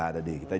ada di kita